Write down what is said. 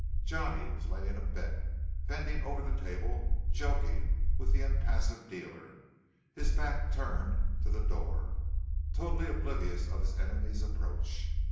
Johnny was laying a bet, bending over the table, joking with the impassive dealer, his back turned to the door, totally oblivious of his enemy's approach.